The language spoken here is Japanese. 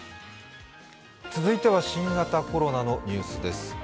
続いては、新型コロナのニュースです。